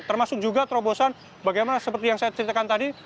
termasuk juga terobosan bagaimana seperti yang saya ceritakan tadi